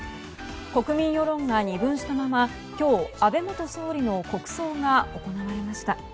国民世論が二分したまま今日、安倍元総理の国葬が行われました。